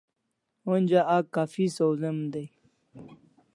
Onja a kaffi sawzem dai